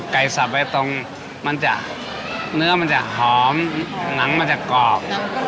๑ไก่สับเบตงเนื้อมันจะหอมหนังมันจะกรอบ